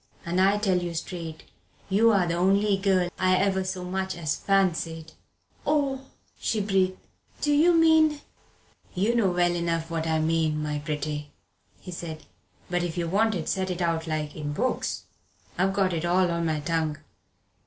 And I tell you straight, you're the only girl I ever so much as fancied." "Oh," she breathed, "do you mean " "You know well enough what I mean, my pretty," he said; "but if you want it said out like in books, I've got it all on my tongue.